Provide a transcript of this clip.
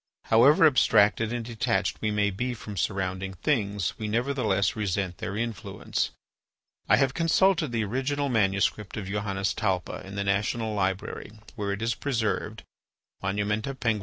However abstracted and detached we may be from surrounding things, we nevertheless resent their influence. I have consulted the original manuscript of Johannes Talpa in the National Library, where it is preserved (Monumenta Peng.